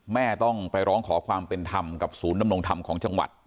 แม่ต้องไปร้องขอความเป็นธรรมกับศูนย์ดำรงธรรมของจังหวัด